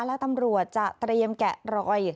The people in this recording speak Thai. และตำรวจจะเตรียมแกะรอย